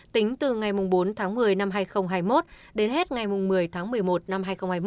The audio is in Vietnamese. tính từ ngày bốn tháng một mươi năm hai nghìn hai mươi một đến hết ngày một mươi tháng một mươi một năm hai nghìn hai mươi